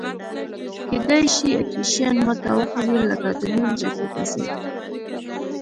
کېدای شي اتریشیان ماته وخوري لکه د نورو جګړو په څېر.